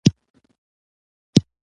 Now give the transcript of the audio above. د پسرلي ګلونه یو بې ساری خوند لري.